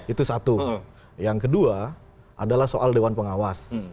itu satu yang kedua adalah soal dewan pengawas